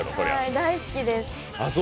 大好きです。